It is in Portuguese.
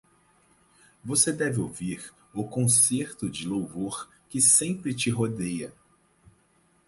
Você deve ouvir o concerto de louvor que sempre te rodeia!